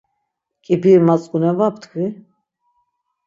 Ǩibiri matzǩunen var ptkvi.